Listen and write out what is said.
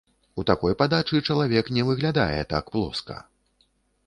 У такой падачы чалавек не выглядае так плоска.